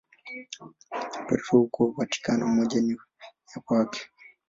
Petro huko Vatikano, moja ni ya kwake.